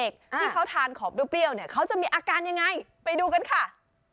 ที่เขาทานขอบเปรี้ยวเนี่ยเขาจะมีอาการยังไงไปดูกันค่ะ